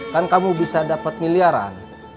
kan kamu bisa dapat miliaran